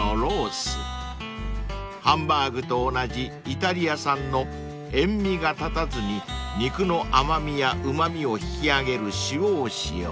［ハンバーグと同じイタリア産の塩味が立たずに肉の甘味やうま味を引き上げる塩を使用］